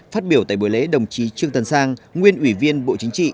phát biểu tại buổi lễ đồng chí trương tân sang nguyên ủy viên bộ chính trị